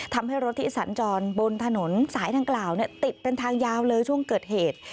ทำให้รถที่สัญจรบนถนนสายดังกล่าวติดเป็นทางยาวเลยช่วงเกิดเหตุ